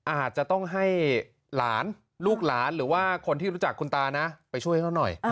อาจจะต้องให้หลานลูกหลานหรือว่าคนที่รู้จักคุณตานะไปช่วยเขาหน่อย